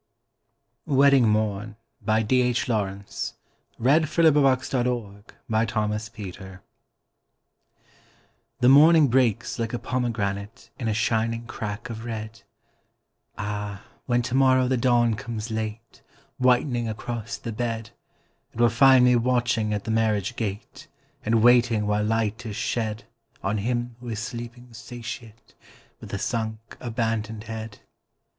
II. The Best of School lx. III. Afternoon in School lxiii. WEDDING MORN The morning breaks like a pomegranate In a shining crack of red, Ah, when to morrow the dawn comes late Whitening across the bed, It will find me watching at the marriage gate And waiting while light is shed On him who is sleeping satiate, With a sunk, abandoned head.